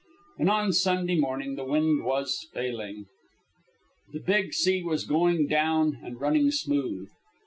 And on Sunday morning the wind was failing. The big sea was going down and running smooth.